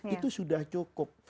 itu sudah cukup